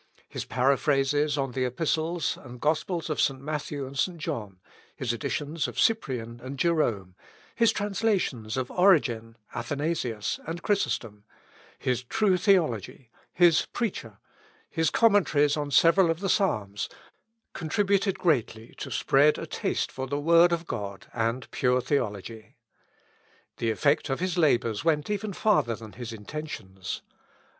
His paraphrases on the Epistles and Gospels of St. Matthew and St. John; his editions of Cyprian and Jerome; his translations of Origen, Athanasius, and Chrysostom; his "True Theology;" his "Preacher;" his Commentaries on several of the Psalms, contributed greatly to spread a taste for the word of God and pure theology. The effect of his labours even went farther than his intentions.